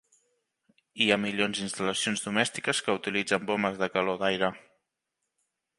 Hi ha milions d"instal·lacions domèstiques que utilitzen bombes de calor d"aire.